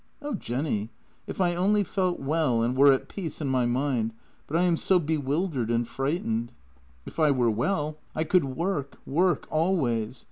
Oh, Jenny, if I only felt well and were at peace in my mind, JENNY 56 but I am so bewildered and frightened. If I were well, I could work, work — always.